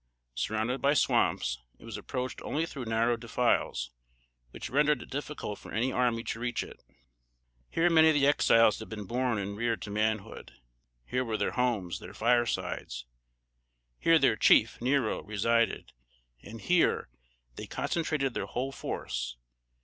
Surrounded by swamps, it was approached only through narrow defiles, which rendered it difficult for an army to reach it. Here many of the Exiles had been born and reared to manhood. Here were their homes, their firesides. Here their chief, Nero, resided; and here they concentrated their whole force.